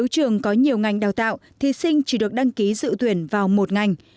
sáu trường có nhiều ngành đào tạo thí sinh chỉ được đăng ký dự tuyển vào một ngành